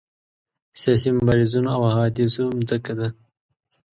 سیاسي مبارزینو او حوادثو مځکه ده.